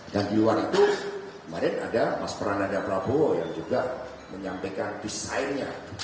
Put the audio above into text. dan di luar itu kemarin ada mas prananda prabowo yang juga menyampaikan desainnya